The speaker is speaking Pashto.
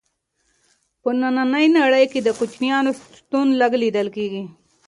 په ننۍ نړۍ کې د کوچیانو شتون لږ لیدل کیږي.